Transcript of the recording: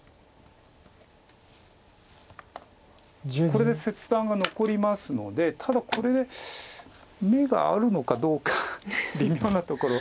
これで切断が残りますのでただこれで眼があるのかどうか微妙なところ。